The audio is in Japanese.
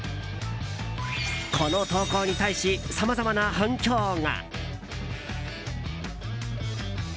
この投稿に対しさまざまな反響が。